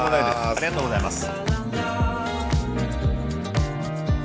ありがとうございます。